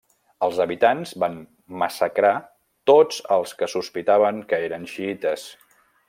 Els habitants van massacrar tots els que sospitaven que eren xiïtes.